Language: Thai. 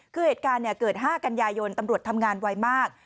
คือเหตุการณ์เนี่ยเกิดห้ากัญญายนตำรวจทำงานไวมาก